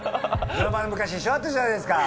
ドラマで昔一緒だったじゃないですか。